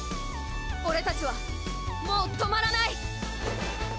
俺たちはもう止まらない！